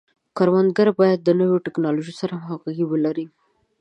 کروندګري باید د نوو ټکنالوژیو سره همغږي ولري.